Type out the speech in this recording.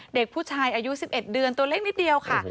เด็กผู้ชายอายุ๑๑เดือนตัวเล็กนิดเดียวค่ะ